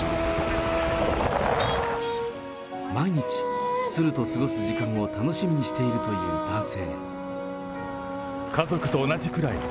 毎日、鶴と過ごす時間を楽しみにしている男性。